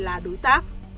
là đối tác